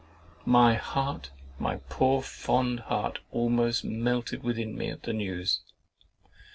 My heart, my poor fond heart, almost melted within me at this news.